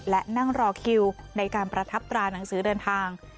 และนั่งรอคิวในการประทับตราหนังสือเดินทาง